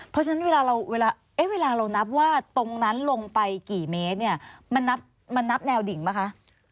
เพราะฉะนั้นเวลาเราเวลาเรานับว่าตรงนั้นลงไปกี่เมตรเนี่ยมันนับแนวดิ่งป่ะคะ